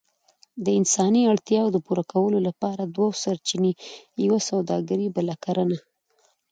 د انساني اړتياوو د پوره کولو لپاره دوه سرچينې، يوه سووداګري بله کرنه.